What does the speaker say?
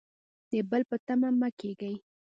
د بل په تمه مه کیږئ